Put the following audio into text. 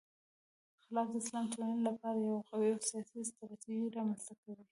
خلافت د اسلامي ټولنې لپاره یو قوي او سیاسي ستراتیژي رامنځته کوي.